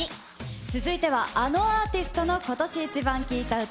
続いては、あのアーティストの今年イチバン聴いた歌。